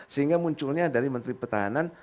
sehingga munculnya dari menteri pertahanan